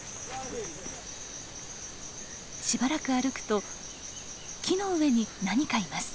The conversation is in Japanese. しばらく歩くと木の上に何かいます。